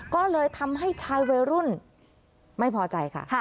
ก็เลยทำให้ชายวัยรุ่นไม่พอใจค่ะ